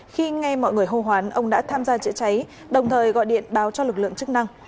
khi nghe mọi người hô hoán ông đã tham gia chữa cháy đồng thời gọi điện báo cho lực lượng chức năng